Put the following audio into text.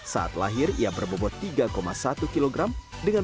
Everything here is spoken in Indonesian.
saat lahir ia berbobot tiga satu kilogram